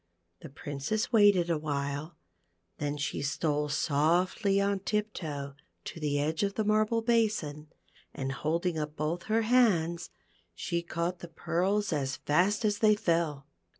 The Princess waited a while, then she stole softly on tip toe to the edge of the marble basin, and holding up both her hands, she caught the pearls as fast as ihey fell.